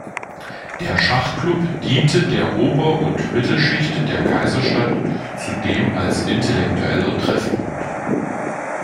Der Schachklub diente der Ober- und Mittelschicht der Kaiserstadt zudem als intellektueller Treffpunkt.